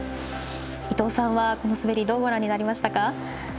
伊藤さんは、この滑りどうご覧になりましたか？